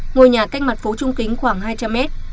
ngôi nhà cách mặt phố trung kính khoảng hai trăm linh mét